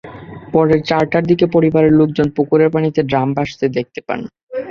পরে চারটার দিকে পরিবারের লোকজন পুকুরের পানিতে ড্রাম ভাসতে দেখতে পান।